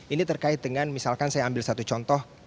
ini terkait dengan misalkan saya ambil satu contoh